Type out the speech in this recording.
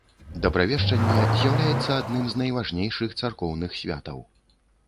Дабравешчанне з'яўляецца адным з найважнейшых царкоўных святаў.